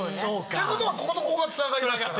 ってことはこことここがつながりますから。